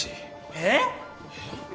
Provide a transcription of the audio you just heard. えっ！？